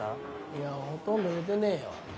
いやほとんど寝てねえよ。